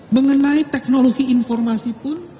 mengenai teknologi informasi pun